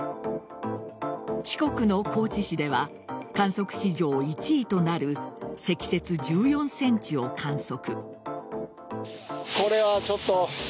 四国の高知市では観測史上１位となる積雪１４ｃｍを観測。